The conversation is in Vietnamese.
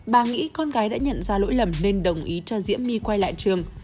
bà nghĩ con gái đã nhận ra lỗi lầm nên đồng ý cho diễm my quay lại trường